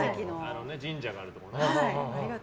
神社があるところね。